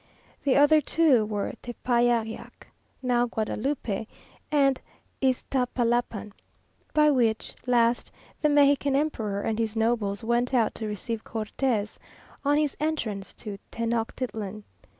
The other two were Tepeyayac (now Guadalupe) and Iztapalapan, by which last the Mexican emperor and his nobles went out to receive Cortes on his entrance to Tenochtitlan.